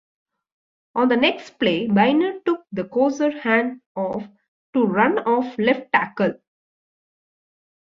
On the next play Byner took the Kosar handoff to run off left tackle.